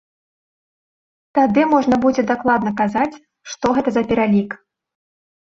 Тады можна будзе дакладна казаць, што гэта за пералік.